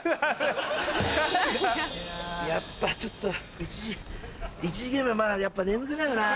やっぱちょっと１限目はまだやっぱ眠くなるなぁ。